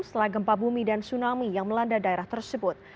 setelah gempa bumi dan tsunami yang melanda daerah tersebut